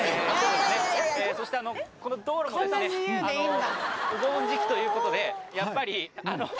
そしてこの道路もお盆時期ということでやっぱりあの。